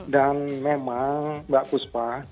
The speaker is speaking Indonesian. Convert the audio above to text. dan memang mbak khuspa